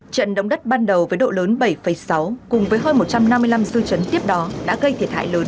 trận động đất ban đầu với độ lớn bảy sáu cùng với hơn một trăm năm mươi năm dư chấn tiếp đó đã gây thiệt hại lớn